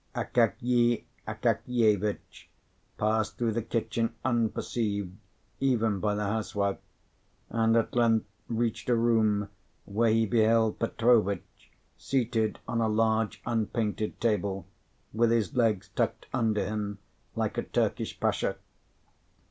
Akakiy Akakievitch passed through the kitchen unperceived, even by the housewife, and at length reached a room where he beheld Petrovitch seated on a large unpainted table, with his legs tucked under him like a Turkish pasha.